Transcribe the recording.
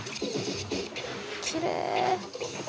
きれい。